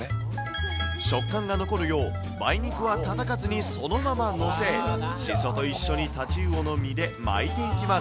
食感が残るよう、梅肉はたたかずにそのまま載せ、シソと一緒に太刀魚の身で巻いていきます。